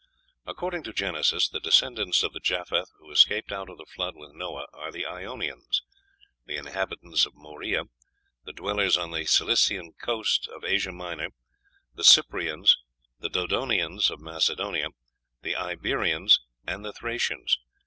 According to Genesis, the descendants of the Japheth who escaped out of the Flood with Noah are the Ionians, the inhabitants of the Morea, the dwellers on the Cilician coast of Asia Minor, the Cyprians, the Dodoneans of Macedonia, the Iberians, and the Thracians.